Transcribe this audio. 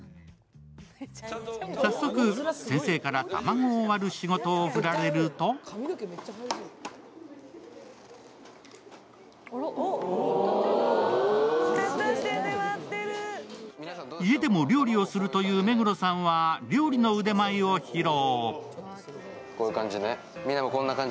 早速、先生から卵を割る仕事を振られると家でも料理をするという目黒さんは料理の腕前を披露。